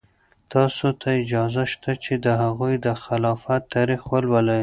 تاسو ته اجازه شته چې د هغوی د خلافت تاریخ ولولئ.